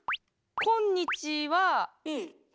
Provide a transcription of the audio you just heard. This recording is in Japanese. こんにちは。